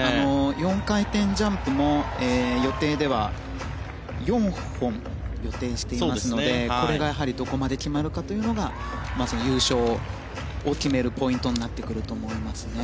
４回転ジャンプも４本予定していますのでこれがどこまで決まるのかが優勝を決めるポイントになってくると思いますね。